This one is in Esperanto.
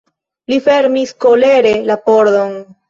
Li fermis kolere la pordon.